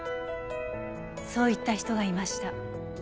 そう言った人がいました。